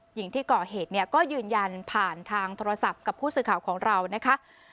หญิงที่ก่อเหตุเนี่ยก็ยืนยันผ่านทางโทรศัพท์กับผู้สื่อข่าวของเรานะคะ